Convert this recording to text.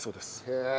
へえ！